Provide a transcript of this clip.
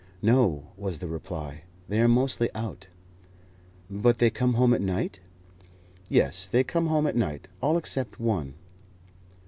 "No," was the reply; "they are mostly out." "But they come home at night?" "Yes, they come home at night, all except one."